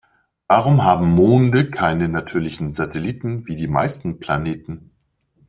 Warum haben Monde keine natürlichen Satelliten wie die meisten Planeten?